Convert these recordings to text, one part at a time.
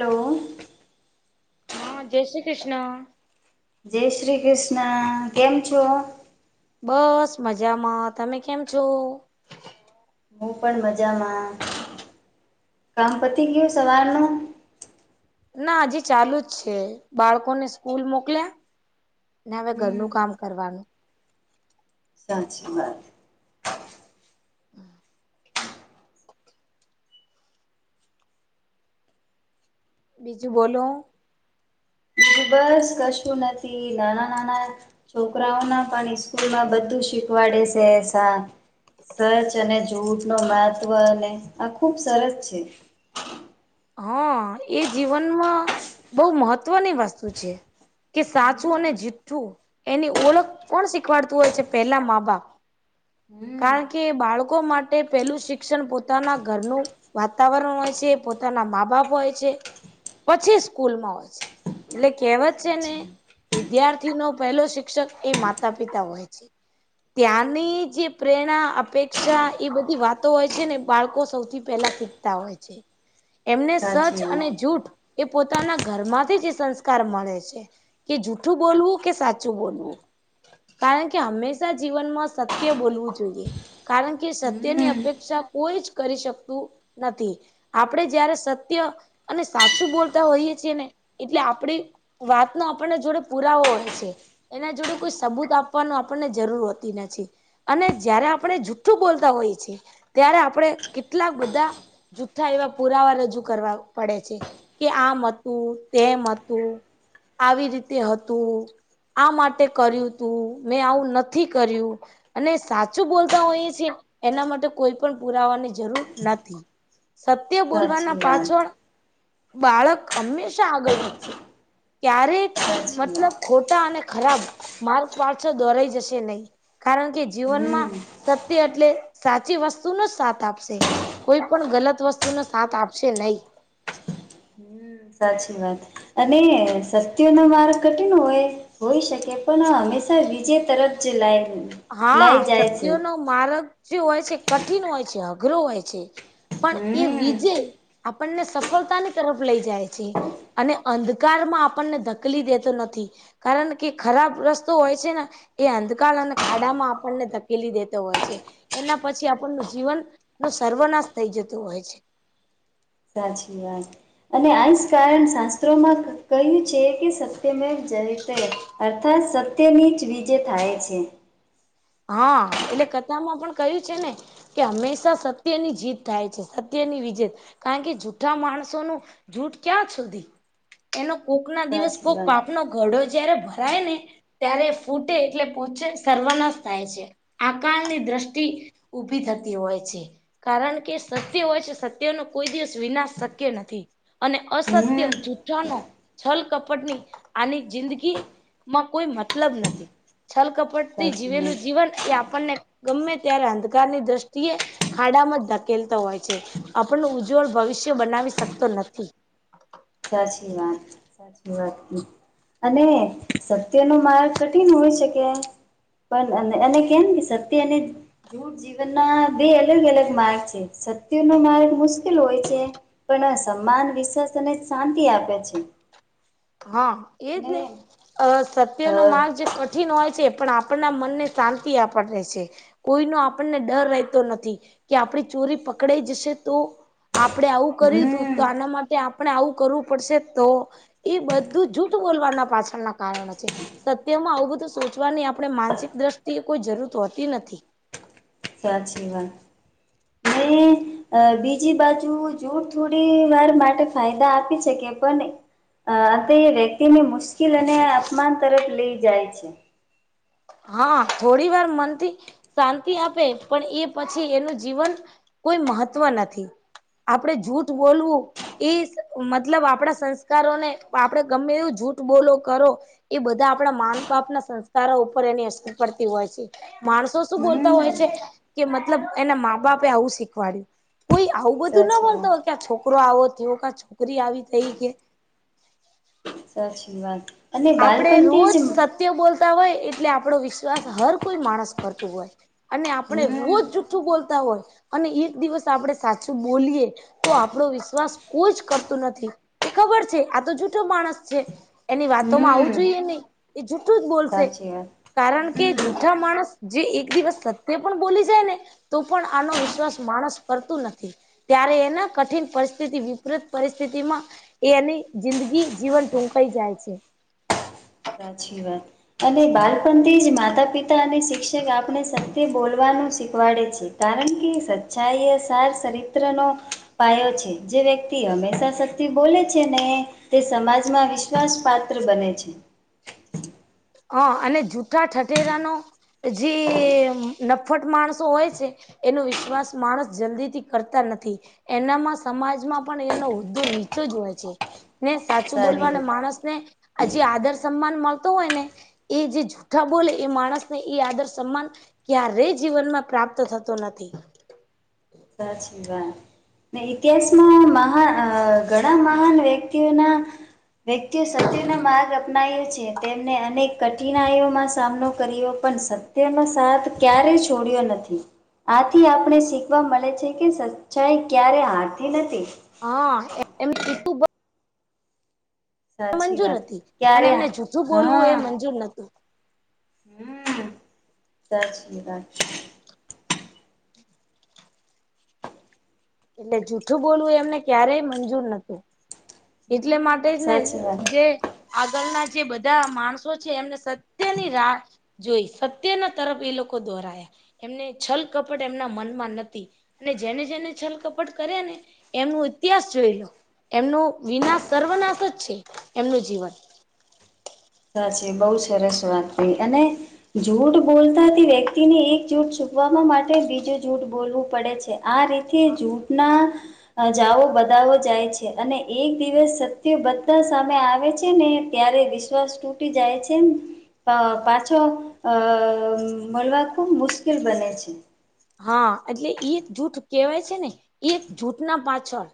Hello! હા જય શ્રી કૃષ્ણ જય શ્રી કૃષ્ણ કેમ છો? બસ મજામાં તમે કેમ છો? હું પણ મજામાં કામ પતી ગયું સવાર નું? ના હજી ચાલુ જ છે બાળકો ને સ્કૂલ મોકલ્યા, ને હવે હમ ઘરનું કામ કરવાનું. સાચી વાત બીજું બોલો? બિજુ બસ કશું નથી નાના નાના છોકરાઓના પણ સ્કૂલ માં બધું શીખવાસે સા સચ અને જૂઠ નો મહત્વ અને આ ખુબ સરસ છે. હા એ જીવનમાં બહુ મહત્વની વસ્તુ છે. કે સાચું અને હમ જીઠ્ઠું એની ઓળખ કોણ શીખવાડતું હોય છે પેલા મા-બાપ હમ કારણ કે બાળકો માટે પહેલું શિક્ષણ પોતાના ઘરનું વાતાવરણ હોય છે પોતાના મા બાપ હોય છે પછી સ્કૂલમાં હોય છે. એટલે કેહવત છે ને? સાચી વિદ્યાર્થી નો પહેલો શિક્ષક એ માતા પિતા હોય છે. ત્યાંની જે પ્રેરણા અપેક્ષા એ બધી વાતો હોય છે ને બાળકો સૌથી પહેલાં શીખતા હોય. હોય છે. એમને સચ સાચી અને વાત જૂઠ એ પોતાના ઘરમાંથી જ સંસ્કાર મળે છે. કે જૂઠું બોલવું કે સાચું બોલવું કારણ કે હંમેશા જીવનમાં સત્ય બોલવું જોઈએ કારણ કે સત્યની હમ અપેક્ષા કોઈ જ કરી શકતું નથી. આપડે જયારે સત્ય અને સાચું બોલતા હોઈએ છીએ ને એટલે આપડી વાતનો આપણને જોડે પુરાવો હોય છે. એના જોડે કોઈ સબૂત આપવાનું આપણને જરૂર હોતી નથી. અને જયારે આપણે જુઠ્ઠું બોલતા હોઈએ છિએ ત્યારે આપણે કેટલા બધા [unintelligible] એવા પુરાવા રજૂ કરવા પડે છે કે આમ હતું તેમ હતું આવી રીતે હતું આ માટે કર્યું તું મેં આવું નથી કર્યું? અને સાચું બોલતા હોઈએ છિએ એના માટે કોઈ પણ પુરાવાની જરૂર નથી. સત્ય સાચી બોલવાના વાત પાછળ બાળક હંમેશા આગળ વધશે ક્યારેક સાચી વાત મતલબ ખોટા અને ખરાબ માર્ગ પાછળ દોરાઈ જશે નહી કારણ કે હમ જીવનમાં સત્ય એટલે સાચી વસ્તુનો જ સાથ આપશે. કોઈ પણ ગલત વસ્તુને સાથ આપશે નહી હમ સાચી વાત અને સસ્તીઓનોો માર્ગ કઠિન હોય. હોઈ શકે પણ આ હંમેશા બીજે તરફ જ લાય હા લાઈ જાય છે સત્યોનોો માર્ગ જે હોય છે કઠિન હોય છે અઘરો હોય છે. પણ એ હમ વિજય આપણને સફળતાની તરફ લઈ જાય છે. અને અંધકારમાં આપણને ધકલી દેતો નથી. કારણ કે ખરાબ રસ્તો હોય છે ને એ અંધકાર અને ખાડામાં આપણને ધકેલી દેતો હોય છે એના પછી આપણનું જીવન નું સર્વનાશ થઈ જતું હોય છે સાચી વાત અને આ જ કારણ શાસ્ત્રોમાં કહ્યું છે કે સત્યમ જયતે અર્થાત સત્યની જ વિજય થાય છે હા એટલે કથામાં પણ કયું છે ને કે હંમેશા સત્યની જીત થાય છે સત્યની વિજેત કારણ કે જૂઠા માણસોનું જૂઠ ક્યાં સુધી એનો કોક ના દિવસ સાચી કોક વાત પાપનો ગડો જયારે ભરાય ને ત્યારે ફૂટે એટલે પોચે સર્વનાશ થાય છે આકાલ ની દ્રષ્ટિ ઊભી થતી હોય છે કારણ કે સત્ય હોય છે સત્યનો કોઈ દિવસ વિનાશ શક્ય નથી અને અસત્ય હમ જુઠ્ઠાનો છલ કપટની આની જિંદગી માં કોઈ મતલબ નથી છલ કપટ થી સાચી જીવેલું વાત એ આપણને ગમે ત્યારે અંધકારની દ્રષ્ટિએ ખાડામાં ધકેલતો હોય છે આપણ ઉજ્જવળ ભવિષ્ય બનાવી શકતો નથી સાચી વાત સાચી વાત અને સત્ય નો માર્ગ કઠિન હોય છે કે પણ એને કેમ કે સત્ય એને જૂટ જીવન ના બે અલગ અલગ માર્ગ છે સત્ય નુ માર્ગ મુશ્કેલ હોય છે પણ સમાન વિશ્વાસ અને શાંતિ આપે છે હા એજ અને ને અ સત્ય અ નો માર્ગ જે કઠિન હોય છે પણ આપણના મનને શાંતિ આપ રહે છે કોઈનો આપણને ડર રહેતો નથી કે આપણી ચોરી પકડાઈ જશે તો આપડણે આવું કર્યું હતું હમ તો આના માટે આપણે આવું કરવું પડશે તો એ બધું જૂઠ બોલવાના પાછળના કારણો છે સત્ય માં અવતું સોચવાની આપણે માનસિક દ્રષ્ટિ કોઈ જરૂર હોતી નથી સાચી વાત અ બીજી બાજુ જૂટ થોડી વાર માટે ફાયદા આપી શકે પણ નહી અ તે એ વ્યક્તિને મુશ્કેલ અને અપમાન તરફ લઇ જાય છે હા થોડી વાર મનથી શાંતિ આપે પણ એ પછી એનું જીવન કોઈ મહત્વ નથી આપણેે જૂઠ બોલવું એ મતલબ આપણા સંસ્કારોને આપડણે ગમે એવું જૂઠ બોલો કરો એ બધા આપણા માન પાપના સંસ્કારોર ઉપર એની અસર પડતી હોય છે માણસો શું બોલતા હમ હોય છે કે મતલબ એના મા બાપે આવું શીખવાડ્યું કોઈ આવું બધું ના સાચી મળતો વાત હોય કે છોકરો આવો થયો ક છોકરી આવી થઈ કે સાચી વાત અને આપણે બાલપણ થી જ રોજ સત્ય બોલતા હોય એટલે આપણો વિશ્વાસ હર કોઈ માણસ કરતું હોય અને આપણે હમ રોજ સાું બોલતા હોય અને એક દિવસ આપણે સાચું બોલીએ તો આપણો વિશ્વાસ કોઈ જ કરતું નથી એ ખબર છે આ તો જૂઠો માણસ છે એની તો આવું હમ જોઈએ નહી એ જૂઠું જ બોલશે સાચી વાત કારણ કે હમ જૂઠા માણસ જે એક દિવસ સત્ય પણ બોલી જાય ને તો પણ આનો વિશ્વાસ માણસ કરતું નથી. ત્યારે એના કઠિન પરિસ્થિતિ વિપરીત પરિસ્થિતિ માં એ એની જિંદગી જીવન ટૂંકાઈ જાય છે સાચી વાત અને બાળપણથી જ માતા પિતા અને શિક્ષક આપણે તે બોલવાનું શીખવાડે છે કારણ કે સચ્ચાઈ સાર ચરિત્રનો પાયો છે જે વ્યક્તિ હંમેશા શક્તિ બોલે છે ને તે સમાજમાં વિશ્વાસ પાત્ર બને છે હ અને જૂઠા ઠઠેરાનો જે નફટ માણસો હોય છે. એનો વિશ્વાસ માણસ જલ્દી થી કરતા નથી. એનામાં સમાજમાં પણ એનો હોદ્દો નીચો જ હોય છે. ને સાચું સારી બોલવા અને વાત. માણસ ને હજી આદર સન્માન મળતો હોય ને એ જે જૂઠા બોલે એ માણસને એ આદર સન્માન ક્યારે જીવનમાં પ્રાપ્ત થતો નથી. સ શ વા ને ઇતિહાસમાં મહાન ઘણા મહાન વ્યક્તિઓના વ્યક્તિઓ સત્યનો માર્ગ અપનાવ્યો છે તેમને અનેક કઠિનાઈઓમાં સામનો કર્યો. પણ સત્યનો સાથ ક્યારે છોડ્યો નથી આથી આપણે શ વા મળે છે કે સચ્ચાઈ ક્યારે હારથી નથી. હા એમું સાચી મંજૂર વાત હતી પણ ક્યારે એમને જૂથું બોલવું એ મંજૂર નતું. હમ સાચી વાત એટલે જૂઠું બોલવું એમને ક્યારેય મંજૂર નતું. એટલે માટે જ ને સાચી વાત જે આગળના જે બધા માણસો છે એમને સત્યની રા જોઈ સત્ય ના તરફ એ લોકો દોહરાયા એમને છલ કપટ એમના મનમાં નથી અને જેને જેને છલ. કપટ કરે ને એમનો ઇતિહાસ જોઈ લો એમનો વિનાશ સર્વનાશ જ છે એમનું જીવન. સાચી બઉુ સરસ વાતથી અને જૂઠ બોલતાથી વ્યક્તિને એક જૂઠ છૂપવા માટે બીજું જૂઠ બોલવું પડે છે. આ રીતે જૂથના જાઓ બધાો જાય છે અને એક દિવસ સત્ય બધા સામે આવે છે ને ત્યારે વિશ્વાસ તૂટી જાય છેમ. અ પાછો અ મળવા ખુબ મુશ્કેલ બને છે. હા એટલે એ એક જૂઠ કેહેવાય છે ને એ એક જૂઠ ના પાછળ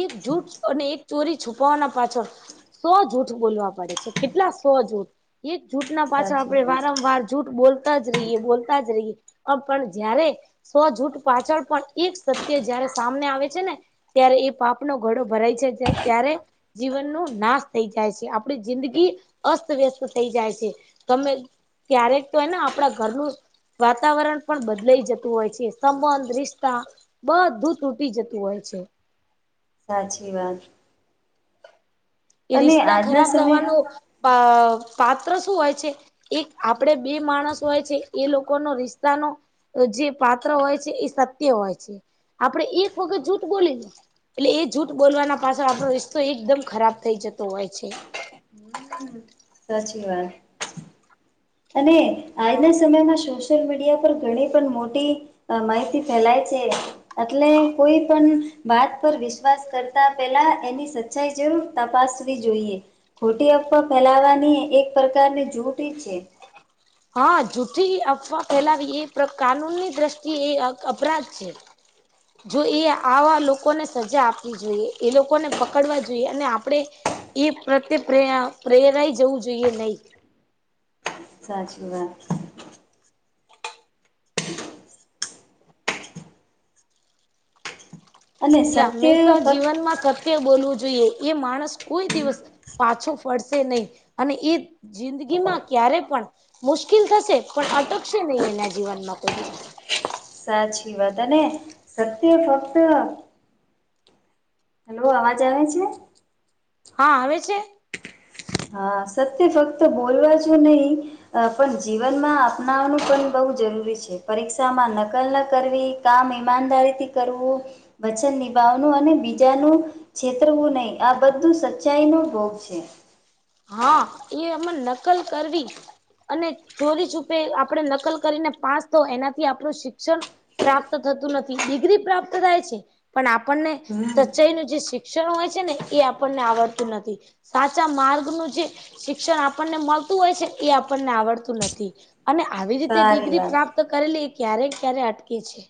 એક જૂઠ અને એક ચોરી છુપાવાના પાછળ. સો જૂઠ બોલવા પડે છે કેટલા સો જૂઠ એક જૂઠ ના પાછળ સાચી આપડે વાત વારંવાર જૂઠ બોલ. જ રહીએ બોલતા જ રહીએ પણ જારે સોજૂઠ પાછળ પણ એક સત્ય જયારે સામને આવે છે ને ત્યારે એ પાપ આપનો ઘડો ભરાય છે ત્યારે જીવનનો નાશ થઈ જાય છે આપડી જિંદગી અસ્તવ્યસ્ત થઈ જાય છે તમે ક્યારેક તો એને આપણા ઘરનું વાતાવરણ પણ બદલાઈ જતું. હોય છે સંબંધ રિશ્તા બધું તૂટી જતું હોય છે. સાચી વાત એ અને રિસ્તા આજના ખરાબ સમય થવાનું પાત્ર શું હોય છે. એક આપડે બે માણસ હોય છે એ લોકોનો રિશ્તાનો. તો જે પાત્ર હોય છે એ સત્ય હોય છે આપડે એક વખત જૂઠ બોલી એટલે એ જૂઠ બોલવાના પાછળ આપણો રિસ્્તો એકદમ ખરાબ થઈ જતોું હોય છે સાચી વાત અને આજના સમયમાં સોશિયલ મીડિયા પર ઘણી પન મોટી. અ માહિતી ફેલાય છે. અટલે કોઈ પન વાત પર વિશ્વાસ કરતા પેલા એની સચ ચાઈ જરૂર તપાસવી જોઈએ. ખોટી અફવા ફેલાવાની એક પ્રકારની જૂઠી છે. હહ જૂઠી અફવા ફેલાવી એ કાનૂનની દ્રષ્ટિએ એ અપરાધ છે. [inaudible] જો એ આવા લોકોને સજા આપવી જોઈએ. એ લોકોને પકડવા જોઈએ અને આપણે એ પ્રત્યેે પ્રે પ્રેરાઈ જવું જોઈએ નહીં. સાચી વાત અને એટલે સત્ય હંમેશા ફક્ત જીવનમાં સત્ય બોલવું જોઈએ. એ માણસ કોઈ દિવસ પાછો ફરશે નહીં. અને એ જિંદગીમાં ક્યારે પણ મુશ્કીલ થશે પણ અટકશે નહીં એના જીવનમાં કોઈ દિવસ સાચી વાત અને સત્ય ફક્ત હેલો અવાજ આવે છે? હા આવે છે? હા સત્ય ફક્ત બોલવા જો નહીં અ પન જીવનમાં અપનાવાનું પન બહુ જરૂરી છે. પરીક્ષામાં નકલ ન કરવી. કામ ઈમાનદારીથી કરવું, વચન નિભાવનું અને બીજાનું છેતરવું નહી, આ બધું સચ્ચાઈનો ભોગ છે. હા એ એમાં નકલ કરવી અને ચોરી છુપે આપણે નકલ કરીને પાસ થવું એનાથી આપણું શિક્ષણ પ્રાપ્ત થતું નથી. ડિગ્રી પ્રાપ્ત થાય છે પણ આપણને સચ્ચાઈનું જે શીક શિક્ષણ હોય છે ને એ આપણને આવડતું નથી. સાચા માર્ગ કોનું જે શિક્ષણ આપણને મળતું હોય છે એ આપણને આવડતું નથી. અને આવી રીતે સારી ડિગ્રી વાત પ્રાપ્ત કરેલી એ ક્યારેક ક્યારે અટકે છે.